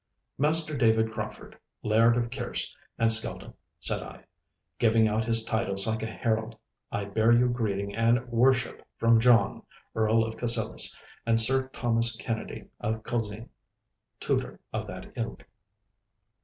'Master David Crauford, Laird of Kerse and Skeldon,' said I, giving out his titles like a herald, 'I bear you greeting and worship from John, Earl of Cassillis, and Sir Thomas Kennedy of Culzean, Tutor of that ilk.